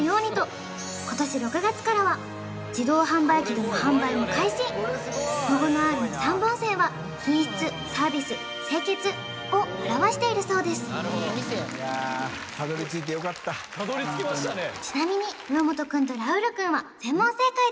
さらにロゴのＲの３本線は品質サービス清潔を表しているそうです・たどり着きましたねえっ？